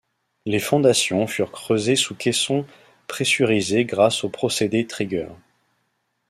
Les fondations furent creusées sous caisson pressurisé grâce au procédé Triger.